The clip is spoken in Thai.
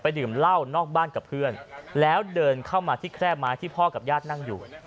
ดื่มเหล้านอกบ้านกับเพื่อนแล้วเดินเข้ามาที่แคร่ไม้ที่พ่อกับญาตินั่งอยู่